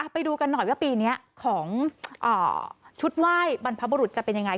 ไปดูกันหน่อยว่าปีนี้ของชุดไหว้บรรพบุรุษจะเป็นยังไง